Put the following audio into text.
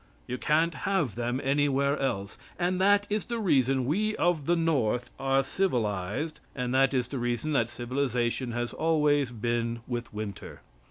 You can't have them anywhere else, and that is the reason we of the north are civilized, and that is the reason that civilization has always been with Winter.